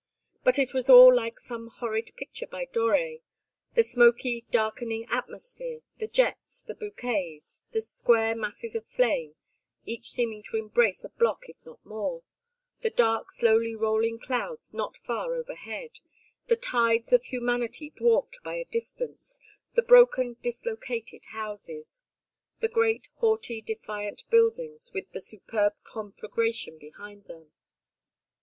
But it was all like some horrid picture by Doré: the smoky darkening atmosphere, the jets, the bouquets, the square masses of flame, each seeming to embrace a block if not more, the dark slowly rolling clouds not far overhead, the tides of humanity dwarfed by the distance, the broken dislocated houses, the great haughty defiant buildings, with the superb conflagration behind them.